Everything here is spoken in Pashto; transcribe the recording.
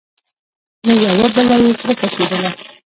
له یوه بله یې کرکه کېدله !